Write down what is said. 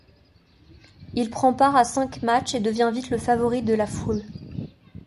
Il prend part à cinq matchs et devient vite le favori de la foule.